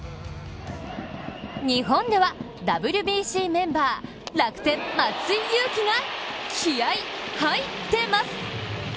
日本ではＷＢＣメンバー楽天・松井裕樹が気合い入ってます。